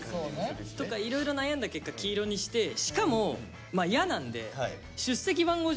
いろいろ悩んだ結果黄色にしてしかも「や」なんで